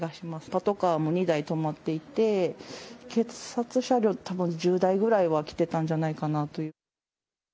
パトカーも２台止まっていて警察車両たぶん１０台くらいは来ていたんじゃないかなと。